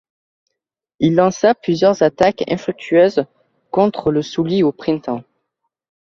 Il lança plusieurs attaques infructueuses contre le Souli au printemps.